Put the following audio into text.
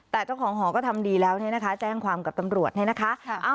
แต่เจ้าของหอก็ทำดีแล้วเนี่ยนะคะแจ้งความกับตำรวจเนี่ยนะคะ